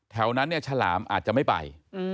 แถวนั้นเนี่ยฉลามอาจจะไม่ไป